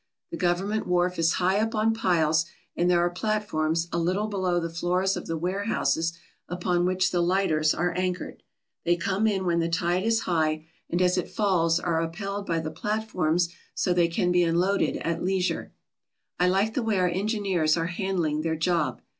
The govern ment wharf is high up on piles, and there are platforms a little below the floors of the warehouses upon which the lighters are anchored. They come in when the tide is high, and as it falls are upheld by the platforms so they can be unloaded at leisure. I like the way our engineers are handling their job.